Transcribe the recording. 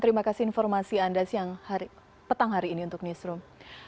terima kasih informasi anda siang petang hari ini untuk newsroom